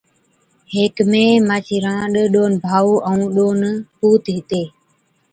هيڪ مين مانڇِي رانڏ، ڏون ڀائُو، ائُون ڏون پُوت هِتي۔